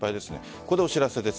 ここでお知らせです。